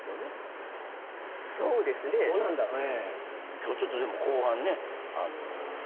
今日ちょっとでも後半ね。